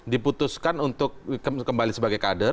diputuskan untuk kembali sebagai kader